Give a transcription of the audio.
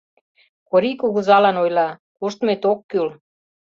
Корий кугызалан ойла: «Коштмет ок кӱл.